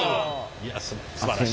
いやすばらしい！